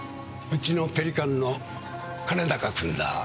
うちの「ペリカン」の兼高君だ。